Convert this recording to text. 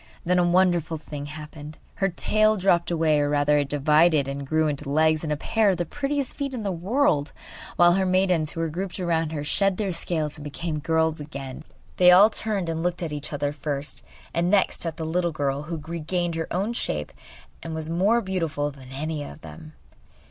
Then a wonderful thing happened. Her tail dropped away or, rather, it divided and grew into two legs and a pair of the prettiest feet in the world, while her maidens, who were grouped around her, shed their scales and became girls again. They all turned and looked at each other first, and next at the little fish who had regained her own shape and was more beautiful than any of them.